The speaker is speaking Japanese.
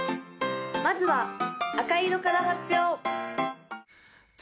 まずは赤色から発表！